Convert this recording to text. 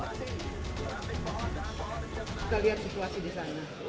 kita lihat situasi di sana